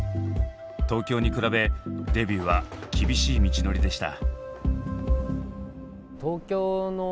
東京に比べデビューは厳しい道のりでした。